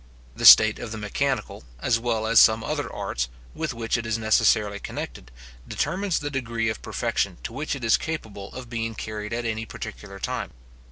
The state of the mechanical, as well as some other arts, with which it is necessarily connected, determines the degree of perfection to which it is capable of being carried at any particular time.